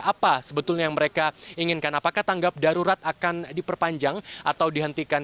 apa sebetulnya yang mereka inginkan apakah tanggap darurat akan diperpanjang atau dihentikan